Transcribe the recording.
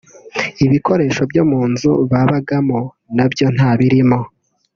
ibikoresho byo mu nzu babagamo na byo ntabirimo